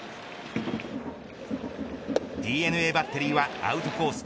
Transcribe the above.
ＤｅＮＡバッテリーはアウトコース